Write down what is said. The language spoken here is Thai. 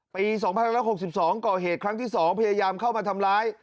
ปี๒๑๖๒ก่อเหตุครั้งที่๒พยายามเข้ามาทำร้าย